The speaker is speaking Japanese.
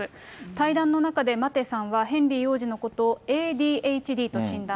対談の中でマテさんはヘンリー王子のことをＡＤＨＤと診断。